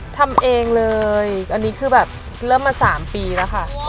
ทำเองเลยอันนี้คือแบบเริ่มมา๓ปีแล้วค่ะ